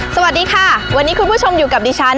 สวัสดีค่ะวันนี้คุณผู้ชมอยู่กับดิฉัน